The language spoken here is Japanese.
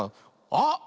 あっ！